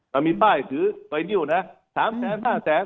มันมีป้ายคือไวนิวะ๓แสน๕แสน